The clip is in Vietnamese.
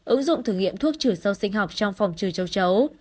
ứng dụng thử nghiệm thuốc trừ sâu sinh học trong phòng trừ châu chấu